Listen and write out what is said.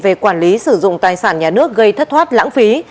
về quản lý sử dụng tài sản nhà nước gây thất thoát lãng phí